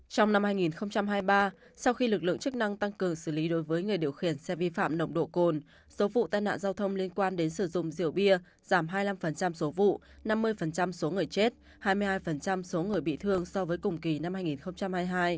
trong năm hai nghìn hai mươi ba sau khi lực lượng chức năng tăng cường xử lý đối với người điều khiển xe vi phạm nồng độ cồn số vụ tai nạn giao thông liên quan đến sử dụng rượu bia giảm hai mươi năm số vụ năm mươi số người chết hai mươi hai số người bị thương so với cùng kỳ năm hai nghìn hai mươi hai